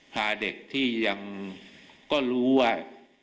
พาเด็กที่ยังก็รู้ว่า